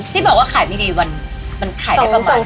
ที่บอกว่าขายไม่ดีมันขายได้ประมาณ